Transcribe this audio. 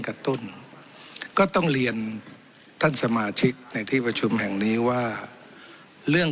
กระตุ้นก็ต้องเรียนท่านสมาชิกในที่ประชุมแห่งนี้ว่าเรื่อง